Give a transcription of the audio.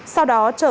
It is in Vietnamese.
sau đó trở về nhà